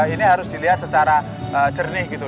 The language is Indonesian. ini harus dilihat secara jernih gitu